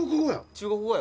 「中国語や」